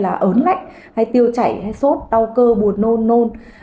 các dấu hiệu cơ năng như ớn lạnh tiêu chảy sốt đau cơ buồn nôn